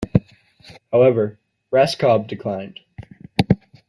However, Raskob declined.